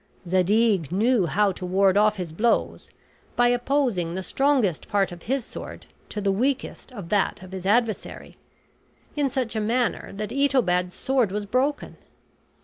Zadig knew how to ward off his blows, by opposing the strongest part of his sword to the weakest of that of his adversary, in such a manner that Itobad's sword was broken.